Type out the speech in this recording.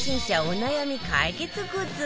お悩み解決グッズ